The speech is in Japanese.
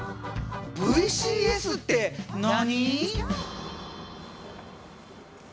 ＶＣＳって何？